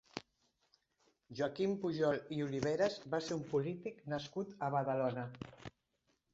Joaquim Pujol i Oliveras va ser un polític nascut a Badalona.